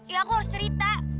ya aku harus cerita